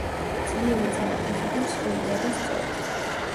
ძლიერი წინა ფეხები მსხვილია და სწორი.